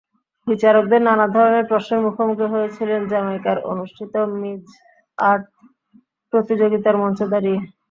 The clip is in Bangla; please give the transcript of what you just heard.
বিচারকদের নানা ধরনের প্রশ্নের মুখোমুখি হয়েছিলেন জ্যামাইকায় অনুষ্ঠিত মিজ আর্থ প্রতিযোগিতার মঞ্চে দাঁড়িয়ে।